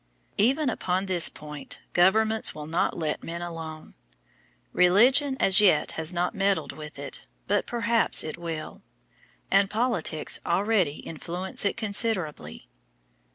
Even upon this point governments will not let men alone. Religion as yet has not meddled with it; but perhaps it will; and politics already influence it considerably.